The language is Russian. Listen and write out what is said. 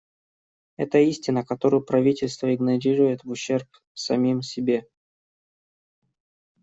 Это истина, которую правительства игнорируют в ущерб самим себе.